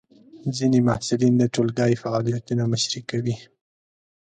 ځینې محصلین د ټولګی فعالیتونو مشري کوي.